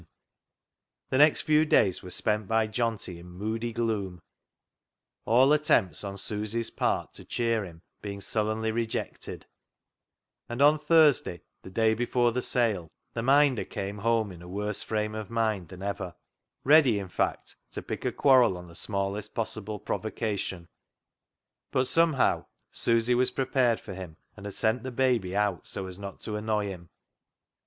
I90 CLOG SHOP CHRONICLES The next few days were spent by Johnty in moody gloom, all attempts on Susy's part to cheer him being sullenly rejected, and on Thursday, the day before the sale, the Minder came home in a worse frame of mind than ever, ready, in fact, to pick a quarrel on the smallest possible provocation. But somehow Susy was prepared for him, and had sent the baby out so as not to annoy him.